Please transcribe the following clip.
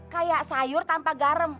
kayak sayur tanpa garam